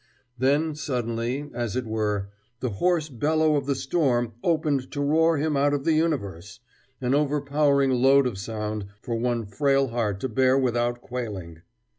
Then suddenly, as it were, the hoarse bellow of the storm opened to roar him out of the universe an overpowering load of sound for one frail heart to bear without quailing.